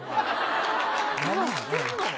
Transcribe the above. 何してんの。